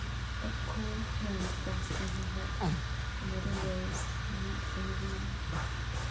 A cold hand grasping her heart, the mother rose, and went from the room.